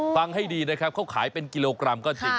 ฟังให้ดีนะครับเขาขายเป็นกิโลกรัมก็จริง